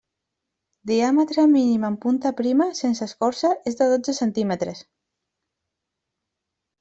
Diàmetre mínim en punta prima, sense escorça, és de dotze centímetres.